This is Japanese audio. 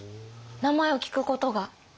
名前を聞くことが？え！